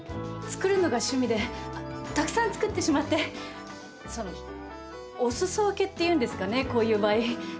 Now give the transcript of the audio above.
作るのが趣味でたくさん作ってしまってそのお裾分けっていうんですかねこういう場合。